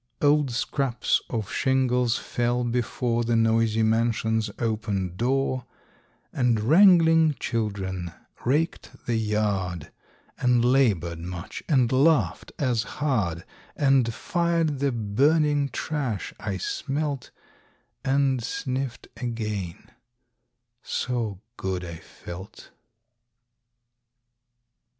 Old scraps of shingles fell before The noisy mansion's open door; And wrangling children raked the yard, And labored much, and laughed as hard And fired the burning trash I smelt And sniffed again so good I felt!